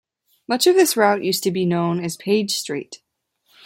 Much of this route used to be known as Page Street.